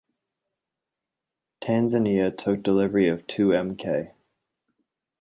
Tanzania took delivery of two Mk.